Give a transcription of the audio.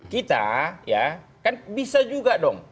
kita ya kan bisa juga dong